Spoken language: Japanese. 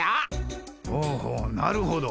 ほうほうなるほど。